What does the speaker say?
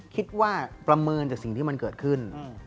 ประเมินจากสิ่งที่มันเกิดขึ้น